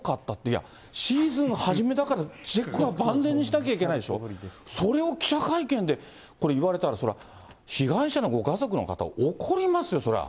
いや、シーズン初めだから、チェックは万全にしなきゃいけないでしょ、それを記者会見でこれ、言われたら、そりゃ被害者のご家族の方、怒りますよ、そりゃ。